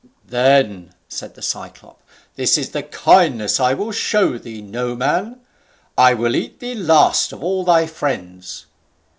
"Then," said the Cyclop, "this is the kindness I will show thee, Noman: I will eat thee last of all thy friends."